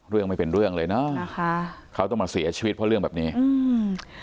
เรื่องไม่เป็นเรื่องเลยเนอะนะคะเขาต้องมาเสียชีวิตเพราะเรื่องแบบนี้อืม